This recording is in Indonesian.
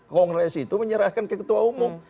kongres itu menyerahkan ke ketua umum